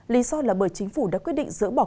lý do là bởi chính phủ đã quyết định dỡ bỏ